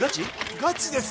ガチです！